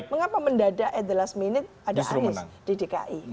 mengapa mendadak at the last minute ada anies di dki